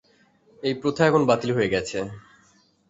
এই প্রথা এখন বাতিল হয়ে গেছে।